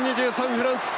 フランス。